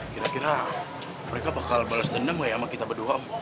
kira kira mereka bakal balas dendam gak ya sama kita berdua